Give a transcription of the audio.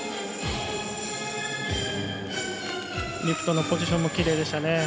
リフトのポジションもきれいでしたね。